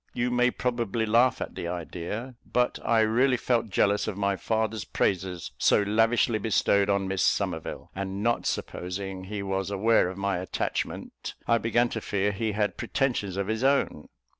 You may probably laugh at the idea, but I really felt jealous of my father's praises so lavishly bestowed on Miss Somerville; and not supposing he was aware of my attachment, I began to fear he had pretensions of his own.